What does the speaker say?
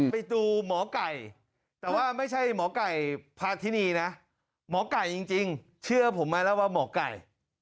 ไปดูหมอไก่แต่ว่าไม่ใช่หมอไก่พาทินีนะหมอไก่จริงเชื่อผมมาแล้วว่าหมอไก่